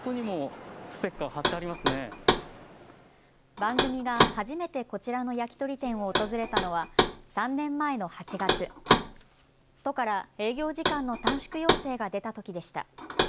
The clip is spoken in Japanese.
番組が初めてこちらの焼き鳥店を訪れたのは３年前の８月、都から営業時間の短縮要請が出たときでした。